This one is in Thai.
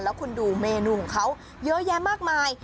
แล้วคุณดูเมนูของเขาเยอะแยะมากมาย